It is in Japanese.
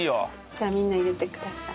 じゃあみんな入れてください。